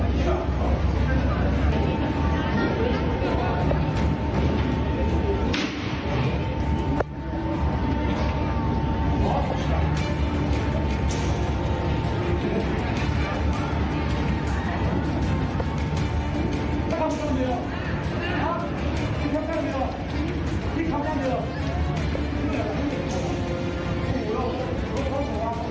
มีคำสั่งเดียวมีคำสั่งเดียว